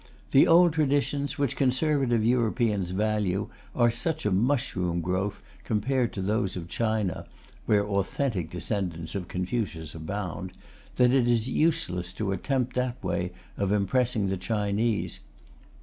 The old traditions which conservative Europeans value are such a mushroom growth compared to those of China (where authentic descendants of Confucius abound) that it is useless to attempt that way of impressing the Chinese.